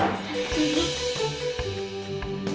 nanti aku jalan